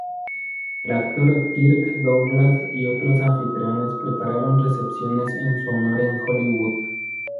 El actor Kirk Douglas y otros anfitriones prepararon recepciones en su honor en Hollywood.